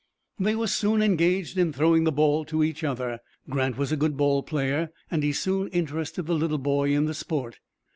They were soon engaged in throwing the ball to each other. Grant was a good ball player, and he soon interested the little boy in the sport.